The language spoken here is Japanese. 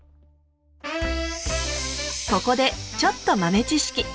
ここでちょっと豆知識。